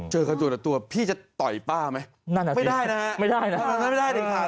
เจอกันตัวพี่จะต่อยป้าไหมไม่ได้นะครับไม่ได้เลยนะครับ